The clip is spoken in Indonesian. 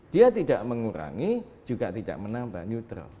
dia tidak mengurangi juga tidak menambah neutral